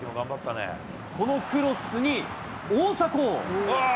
このクロスに、大迫。